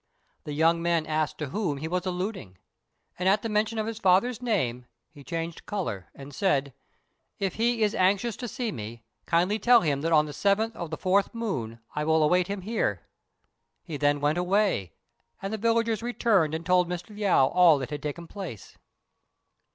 The young man asked to whom he was alluding; and, at the mention of his father's name, he changed colour and said, "If he is anxious to see me, kindly tell him that on the 7th of the 4th moon I will await him here." He then went away, and the villagers returned and told Mr. Liu all that had taken place.